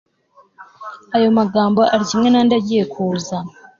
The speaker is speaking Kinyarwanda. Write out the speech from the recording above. ayo magambo ari kimwe nandi agiye kuza